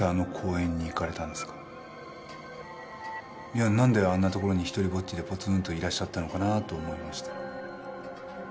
いやなんであんなところに独りぼっちでポツンといらっしゃったのかなと思いまして。